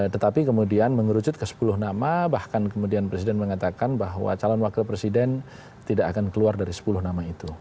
tetapi kemudian mengerucut ke sepuluh nama bahkan kemudian presiden mengatakan bahwa calon wakil presiden tidak akan keluar dari sepuluh nama itu